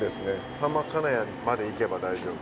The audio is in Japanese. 浜金谷まで行けば大丈夫。